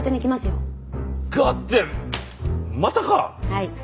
はい。